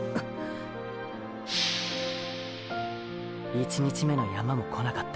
１日目の山も来なかった。